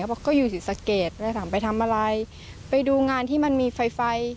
ก็บอกก็อยู่ศิษฐกิจแล้วถามไปทำอะไรไปดูงานที่มันมีไฟ